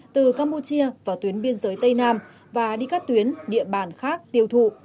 từ campuchia vào tuyến biên giới tây nam và đi các tuyến địa bàn khác tiêu thụ